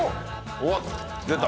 おっ出た。